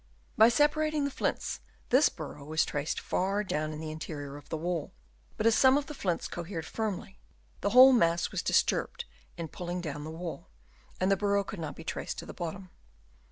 By separating the flints this burrow was traced far down in the interior of the wall ; but as some of the flints cohered firmly, the whole mass was disturbed in pulling down the wall, and the burrow could not be traced to the bottom.